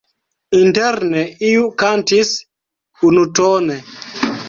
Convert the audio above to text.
Interne iu kantis unutone.